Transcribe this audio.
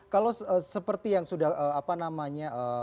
kalau seperti yang sudah apa namanya